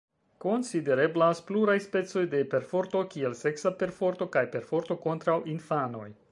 Konsidereblas pluraj specoj de perforto kiel seksa perforto kaj perforto kontraŭ infanoj.